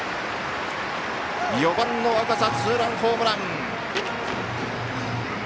４番の若狭ツーランホームラン。